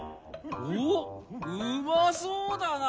おっうまそうだな。